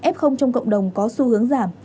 f trong cộng đồng có xu hướng giảm